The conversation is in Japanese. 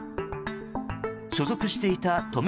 所属していた都民